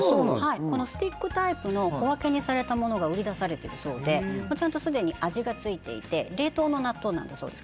スティックタイプの小分けにされたものが売り出されているそうでちゃんと既に味が付いていて冷凍の納豆なんだそうです